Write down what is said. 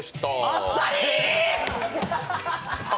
あっさりー！